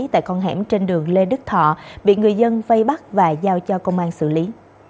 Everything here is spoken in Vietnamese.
tại con hẻm trên đường lê đức thọ bị người dân vây bắt và giao cho công an xử lý